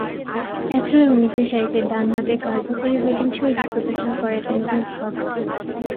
এছাড়াও, নিচেরসারিতে ডানহাতে কার্যকরী ব্যাটিংশৈলী প্রদর্শন করেছেন ভিন্স হগ।